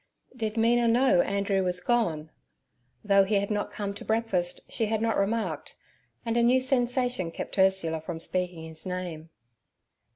Did Mina know Andrew was gone? Though he had not come to breakfast, she had not remarked, and a new sensation kept Ursula from speaking his name.